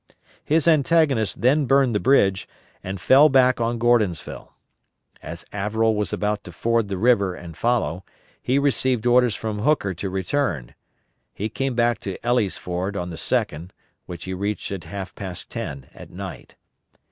His antagonist then burned the bridge, and fell back on Gordonsville. As Averell was about to ford the river and follow, he received orders from Hooker to return; he came back to Elley's Ford on the 2d, which he reached at half past ten at night.